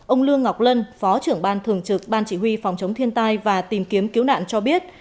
ông lương ngọc lân phó trưởng ban thường trực ban chỉ huy phòng chống thiên tai và tìm kiếm cứu nạn cho biết